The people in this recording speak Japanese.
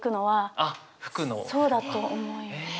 そうだと思います。